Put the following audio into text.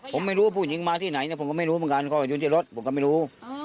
ผมไม่รู้ว่าผู้หญิงมาที่ไหนผมก็ไม่รู้เหมือนกันก็อยู่ที่รถผมก็ไม่รู้